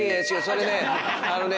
それねあのね